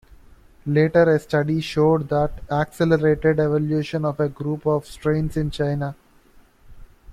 Later a study showed that accelerated evolution of a group of strains in China.